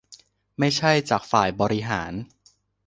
ไม่ใช่จากฝ่ายบริหาร